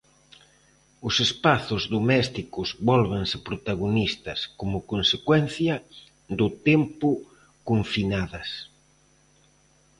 Os espazos domésticos vólvense protagonistas, como consecuencia do tempo confinadas.